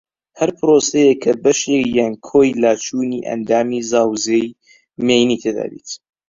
ھەر پرۆسەیەک کە بەشێک یان کۆی لاچوونی ئەندامی زاوزێی مێینەی تێدا بێت